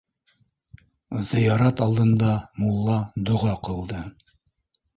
Зыярат алдында мулла доға ҡылды.